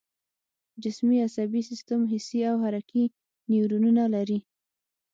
جسمي عصبي سیستم حسي او حرکي نیورونونه لري